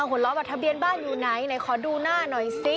หัวล้อแบบทะเบียนบ้านอยู่ไหนไหนขอดูหน้าหน่อยสิ